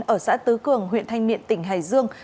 ở xã tứ cường huyện thanh miện tỉnh hải dương